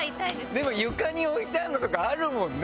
でも床に置いてあるのとかあるもんね。